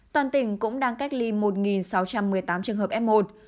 toàn tỉnh cũng đang cách ly một sáu trăm một mươi tám trường hợp f một